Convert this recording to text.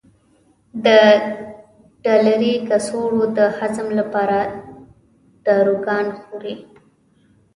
د ډالري کڅوړو د هضم لپاره داروګان خوري.